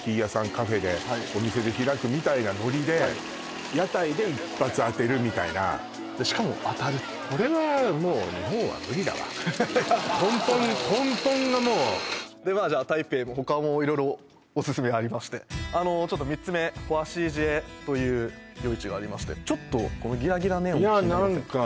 カフェでお店で開くみたいなノリで屋台で一発当てるみたいなしかも当たるこれはもう日本は無理だわ根本がもうじゃあ台北も他も色々オススメありましてちょっと３つ目華西街という夜市がありましてちょっとこのギラギラネオン気になりませんか？